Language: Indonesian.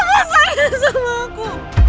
papa jangan sama aku